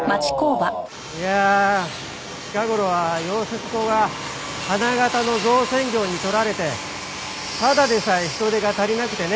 いやあ近頃は溶接工が花形の造船業に取られてただでさえ人手が足りなくてね。